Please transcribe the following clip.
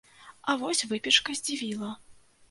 А вось выпечка здзівіла.